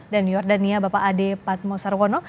dan new york dan nia bapak ade padmo sarwono